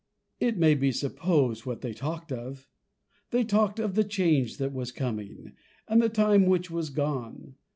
It may be supposed what they talked of; they talked of the change that was coming, and the time which was gone.